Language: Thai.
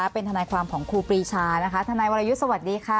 เป็นทนายความของครูปรีชานะคะทนายวรยุทธ์สวัสดีค่ะ